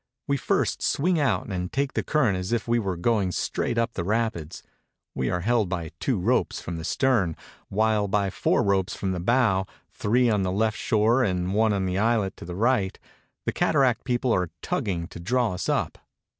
We first swing out and take the current as if we were going straight up the rapids. We are held by two ropes from the stern, while by four ropes from the bow, three on the left shore and one on an islet to the right, the cataract people are tugging to draw us up.